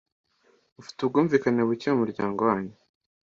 mufite ubwumvikane buke mu muryango wanyu